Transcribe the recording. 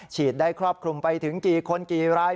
ฉีดได้ครอบคลุมไปถึงกี่คนกี่ราย